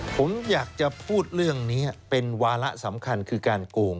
ผมอยากจะพูดเรื่องนี้เป็นวาระสำคัญคือการโกง